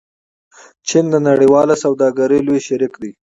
چین د نړیوالې سوداګرۍ لوی شریک دی.